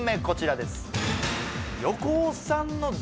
こちらです